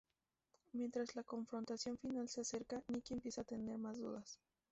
Mientras la confrontación final se acerca, Nikki empieza a tener más dudas.